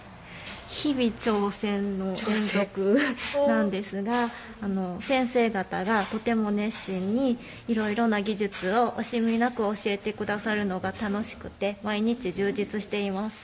日々挑戦の連続なんですが先生方がとても熱心にいろいろな技術を惜しみなく教えてくださるのが楽しくて毎日充実しています。